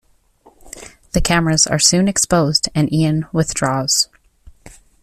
The cameras are soon exposed and Ian withdraws.